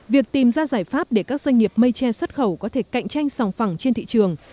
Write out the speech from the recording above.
việc tìm ra giải pháp để các doanh nghiệp mây tre xuất khẩu có thể cạnh tranh sòng phẳng trên thị trường